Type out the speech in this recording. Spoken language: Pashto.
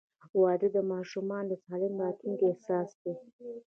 • واده د ماشومانو د سالم راتلونکي اساس دی.